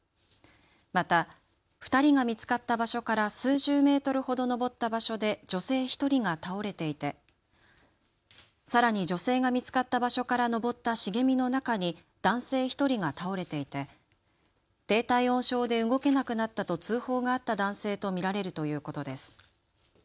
また２人が見つかった場所から数十メートルほど登った場所で女性１人が倒れていてさらに女性が見つかった場所から登った茂みの中に男性１人が倒れていて低体温症で動けなくなったと通報があった男性と見られるということです。